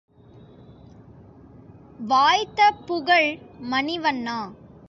வாய்த்த புகழ் மணிவண்ணா!